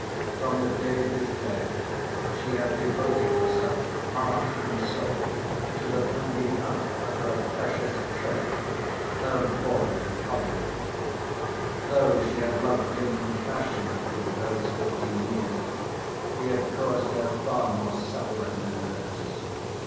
From the day of his death she had devoted herself heart and soul to the bringing up of her precious treasure, her boy Kolya. Though she had loved him passionately those fourteen years, he had caused her far more suffering than happiness.